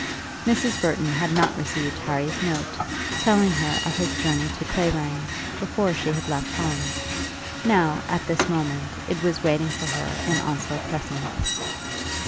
Mrs. Burton had not received Harry's note, telling her of his journey to Clavering, before she had left home. Now at this moment it was waiting for her in Onslow Crescent.